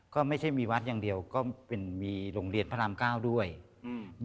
ก็ไม่ใช่มีวัดอย่างเดียวก็เป็นมีโรงเรียนพระรามเก้าด้วยอืม